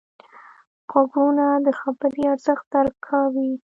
غوږونه د خبرې ارزښت درک کوي